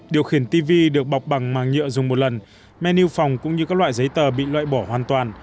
điều khiển tv được bọc bằng màng nhựa dùng một lần menu phòng cũng như các loại giấy tờ bị loại bỏ hoàn toàn